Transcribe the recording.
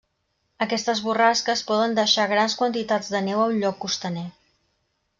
Aquestes borrasques poden deixar grans quantitats de neu a un lloc costaner.